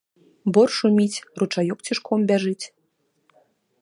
Бор шуміць, ручаёк цішком бяжыць.